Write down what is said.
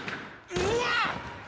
うわっ！